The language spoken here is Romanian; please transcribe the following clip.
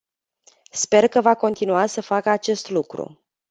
Sper că va continua să facă acest lucru.